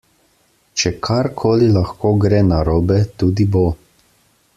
Če karkoli lahko gre narobe, tudi bo.